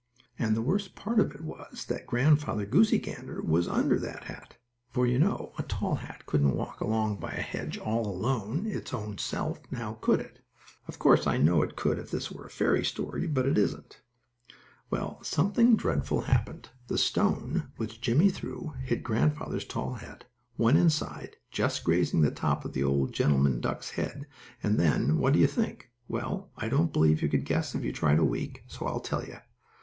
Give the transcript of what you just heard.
And the worst part of it was that Grandfather Goosey Gander was under that hat! For, you know, a tall hat couldn't walk along by a hedge, all alone its own self, now, could it? Of course, I know it could if this were a fairy story, but it isn't. Well, something dreadful happened. The stone which Jimmie threw hit grandfather's tall hat, went inside, just grazing the top of the old gentleman duck's head, and then, what do you think? Well, I don't believe you could guess if you tried a week, so I'll tell you.